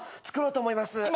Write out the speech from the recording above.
作ろうと思います。